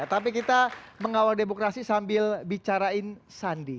tapi kita mengawal demokrasi sambil bicarain sandi